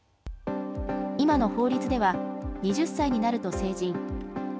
今の法律では２０歳になると成人。